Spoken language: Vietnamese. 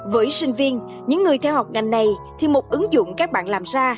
với sinh viên những người theo học ngành này thì một ứng dụng các bạn làm ra